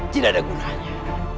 tidak ada gunanya